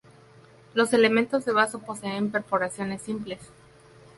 Los elementos de vaso poseen perforaciones simples.